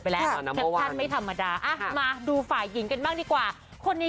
ไปแหละมาท่านไว้ธรรมดามาดูฝ่ายหินกันบ้างดีกว่าคนนี้